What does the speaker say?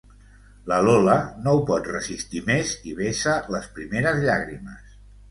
La Lola no ho pot resistir més i vessa les primeres llàgrimes.